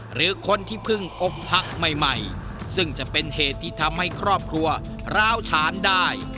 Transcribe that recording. หรือคนที่เพิ่งพบพระใหม่ซึ่งจะเป็นเหตุที่ทำให้ครอบครัวร้าวฉานได้